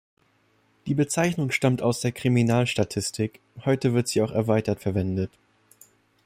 Die Bezeichnung stammt aus der Kriminalstatistik, heute wird sie auch erweitert verwendet.